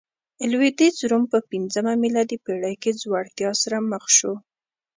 لوېدیځ روم په پنځمه میلادي پېړۍ کې ځوړتیا سره مخ شو